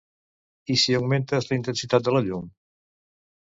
I si augmentes la intensitat de la llum?